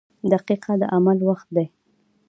• دقیقه د عمل وخت دی.